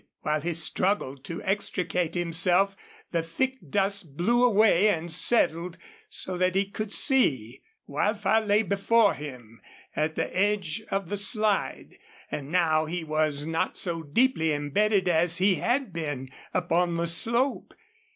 While he struggled to extricate himself the thick dust blew away and settled so that he could see. Wildfire lay before him, at the edge of the slide, and now he was not so deeply embedded as he had been up on the slope.